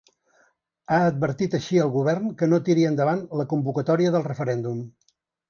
Ha advertit així el govern que no tiri endavant la convocatòria del referèndum.